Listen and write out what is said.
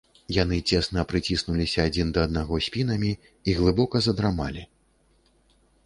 Яны цесна прыціснуліся адзін да аднаго спінамі і глыбока задрамалі.